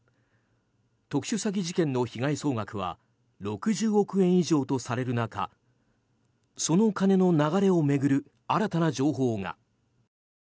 特殊詐欺事件の被害総額は６０億円以上とされる中その金の流れを巡る新たな情報が。